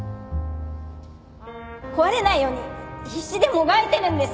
壊れないように必死でもがいてるんです